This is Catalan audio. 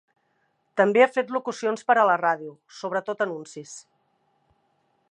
També ha fet locucions per a la ràdio, sobretot anuncis.